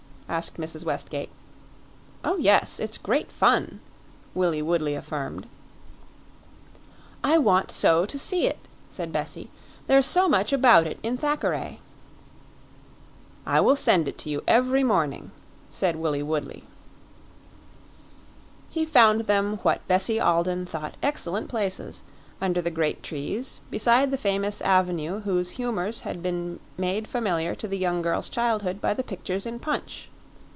asked Mrs. Westgate. "Oh, yes; it's great fun," Willie Woodley affirmed. "I want so to see it," said Bessie; "there is so much about it in Thackeray." "I will send it to you every morning," said Willie Woodley. He found them what Bessie Alden thought excellent places, under the great trees, beside the famous avenue whose humors had been made familiar to the young girl's childhood by the pictures in Punch.